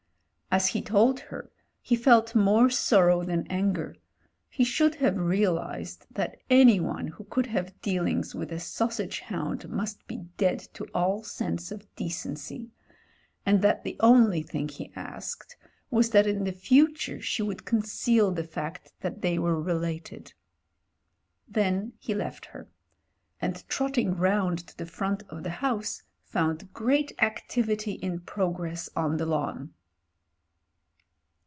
As he told her, he felt more sorrow than anger ; he should have realised that anyone who could have dealings with a sausage hotmd must be dead to all sense of decency — ^and that the only thing he asked was that in the future she would conceal the fact that they were related. Then he left her — and trotting round to the front of the house, found great activity in progress on the lawn.